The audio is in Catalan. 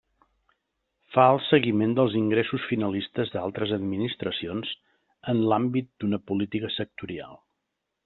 Fa el seguiment dels ingressos finalistes d'altres administracions en l'àmbit d'una política sectorial.